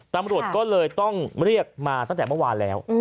ตำรวจก็เลยต้องเรียกมาตั้งแต่เมื่อวานแล้ว